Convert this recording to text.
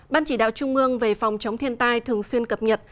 ban chỉ đạo trung ương về phòng chống thiên tai thường xuyên cập nhật